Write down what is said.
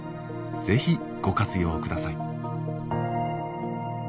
是非ご活用ください。